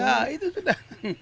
ya itu sudah